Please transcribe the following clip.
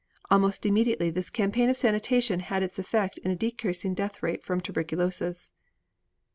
Almost immediately this campaign of sanitation had its effect in a decreasing death rate from tuberculosis.